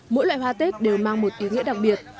mỗi loại hoa tết đều mang một ý nghĩa đặc biệt